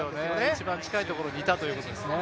一番近いところにいたということですね。